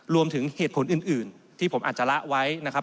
รวมถึงเหตุผลอื่นที่ผมอาจจะละไว้นะครับ